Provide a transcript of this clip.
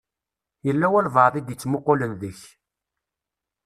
Yella walebɛaḍ i d-ittmuqqulen deg-k.